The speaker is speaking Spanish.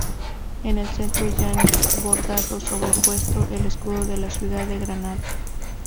En el centro, y en bordado sobrepuesto, el escudo de la ciudad de Granada.